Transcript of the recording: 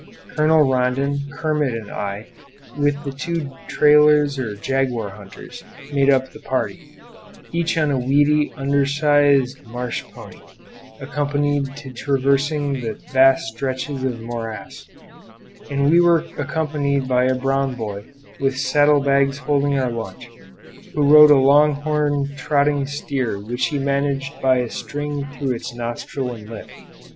Colonel Rondon, Kermit, and I, with the two trailers or jaguar hunters, made up the party, each on a weedy, undersized marsh pony, accustomed to traversing the vast stretches of morass; and we were accompanied by a brown boy, with saddle bags holding our lunch, who rode a long horned trotting steer which he managed by a string through its nostril and lip.